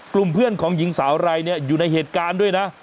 กลุ่มเพื่อนของหญิงสาวรายนี้อยู่ในเหตุการณ์ด้วยนะ